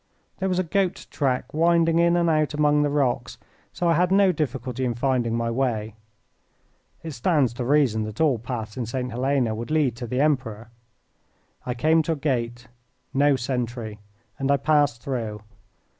There was a goat track winding in and out among the rocks, so I had no difficulty in finding my way. It stands to reason that all paths in St. Helena would lead to the Emperor. I came to a gate. No sentry and I passed through.